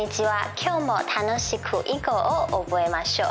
今日も楽しく囲碁を覚えましょう。